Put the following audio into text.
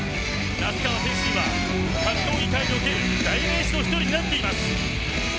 那須川天心は、格闘技界における代名詞の１つとなっています。